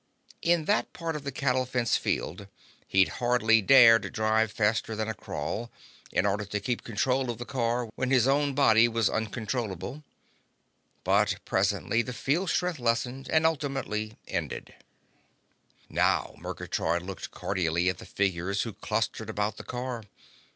In that part of the cattle fence field, he'd hardly dared drive faster than a crawl, in order to keep control of the car when his own body was uncontrollable. But presently the field strength lessened and ultimately ended. Now Murgatroyd looked cordially at the figures who clustered about the car.